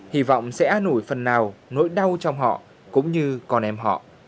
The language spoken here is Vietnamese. hy vọng sẽ nổi phần nào nỗi đau trong họ cũng như con em họ